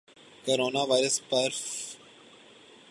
corona virus پر ف